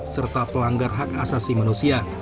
serta pelanggar hak asasi manusia